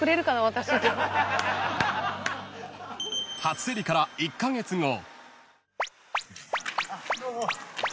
［初競りから１カ月後］